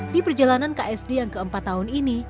di perjalanan ksd yang keempat tahun ini